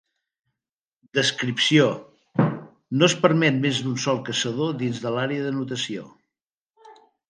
Descripció: no es permet més d'un sol Caçador dins de l'àrea d'anotació.